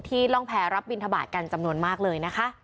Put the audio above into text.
ร่องแพ้รับบินทบาทกันจำนวนมากเลยนะคะ